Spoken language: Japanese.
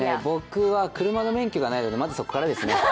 僕は車の免許がないのでまずそこからですね。